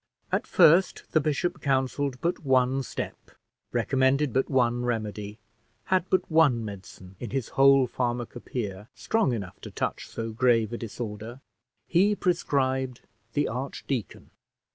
At first the bishop counselled but one step, recommended but one remedy, had but one medicine in his whole pharmacopoeia strong enough to touch so grave a disorder; he prescribed the archdeacon.